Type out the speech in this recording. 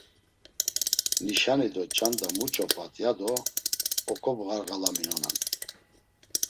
Nişani do ç̌anda muç̌o p̌at ya do oǩobğarğalaminonan.